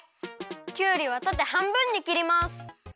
きゅうりはたてはんぶんにきります。